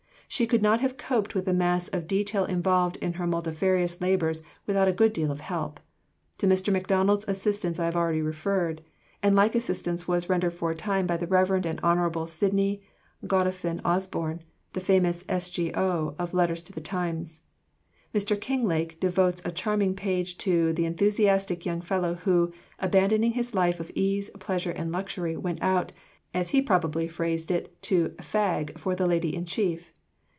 She could not have coped with the mass of detail involved in her multifarious labours without a good deal of help. To Mr. Macdonald's assistance I have already referred; and like assistance was rendered for a time by the Rev. and Hon. Sydney Godolphin Osborne, the famous S.G.O. of letters to the Times. Mr. Kinglake devotes a charming page to "the enthusiastic young fellow who, abandoning his life of ease, pleasure, and luxury, went out, as he probably phrased it, to 'fag' for the Lady in Chief."